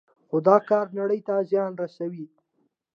خو دا کار نړۍ ته زیان رسوي.